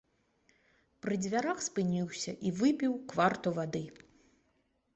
Пры дзвярах спыніўся і выпіў кварту вады.